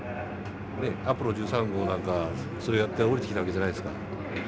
アポロ１３号なんかはそれやって降りてきた訳じゃないですか。